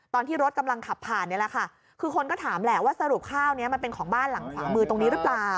ตอนที่รถกำลังขับผ่านนี่แหละค่ะคือคนก็ถามแหละว่าสรุปข้าวนี้มันเป็นของบ้านหลังขวามือตรงนี้หรือเปล่า